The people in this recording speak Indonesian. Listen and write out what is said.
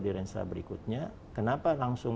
di renstra berikutnya kenapa langsung